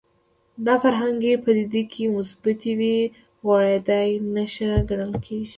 دا فرهنګي پدیدې که مثبتې وي غوړېدا نښه ګڼل کېږي